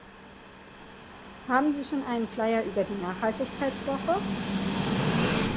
Haben Sie schon einen Flyer über die Nachhaltigkeitswoche?